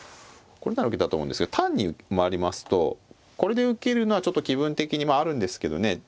これなら受けたと思うんですけど単に回りますとこれで受けるのはちょっと気分的にまああるんですけどね